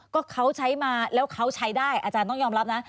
ก็เขาใช้มาแล้วเขาใช้ได้อาจารย์ต้องยอมรับนะ